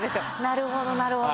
なるほどなるほど。